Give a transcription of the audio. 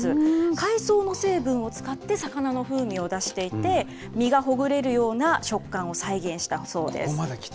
海藻の成分を使って、魚の風味を出していて、身がほぐれるような食感を再現したそうです。